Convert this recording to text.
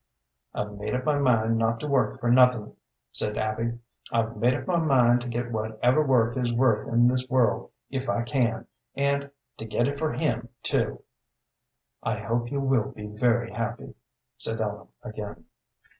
"I've made up my mind not to work for nothing," said Abby; "I've made up my mind to get whatever work is worth in this world if I can, and to get it for him too." "I hope you will be very happy," said Ellen again.